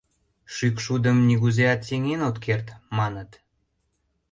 Шӱкшудым нигузеат сеҥен от керт, маныт?